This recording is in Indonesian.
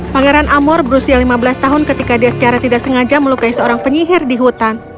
pangeran amor berusia lima belas tahun ketika dia secara tidak sengaja melukai seorang penyihir di hutan